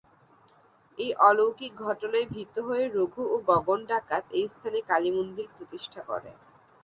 এই অলৌকিক ঘটনায় ভীত হয়ে রঘু ও গগন ডাকাত এই স্থানে কালীমন্দির প্রতিষ্ঠা করে।